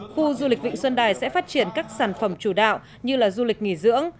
khu du lịch vịnh xuân đài sẽ phát triển các sản phẩm chủ đạo như là du lịch nghỉ dưỡng